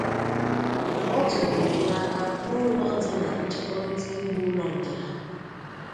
na ọ tụrụụrụ ya aka n'ụlọ dị na ncherịtaihu ụlọ nke ha.